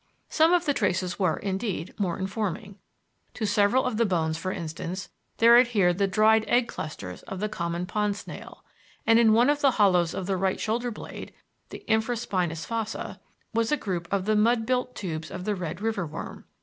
Some of the traces were, indeed, more informing. To several of the bones, for instance, there adhered the dried egg clusters of the common pond snail, and in one of the hollows of the right shoulder blade (the "infraspinous fossa") was a group of the mud built tubes of the red river worm.